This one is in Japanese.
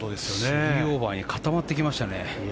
３オーバーに固まってきましたね。